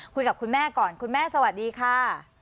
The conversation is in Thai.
คุยกับคุณแม่ก่อนคุณแม่สวัสดีค่ะ